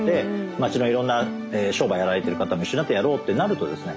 町のいろんな商売やられてる方も一緒になってやろうってなるとですね